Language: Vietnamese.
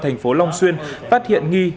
thành phố long xuyên phát hiện nghì